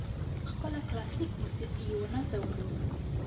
په خپله کلاسیکه موسیقي یې ونازولو.